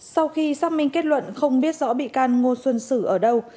sau khi xác minh kết luận không biết rõ bị can ngô xuân sử ở đâu